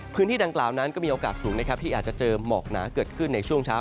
พื้นที่ดังกล่าวนั้นก็มีโอกาสสูงนะครับที่อาจจะเจอหมอกหนาเกิดขึ้นในช่วงเช้า